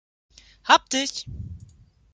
Hab dich!